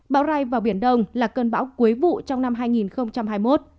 bão rai vào biển đông là cơn bão cuối vụ trong năm hai nghìn hai mươi một